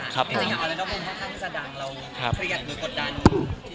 จริงออเรนดุ๊กบูมค่อนข้างสดังเราเครียดกดดัน